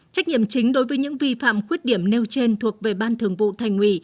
trách nhiệm chính đối với những vi phạm khuyết điểm nêu trên thuộc về ban thường vụ thành ủy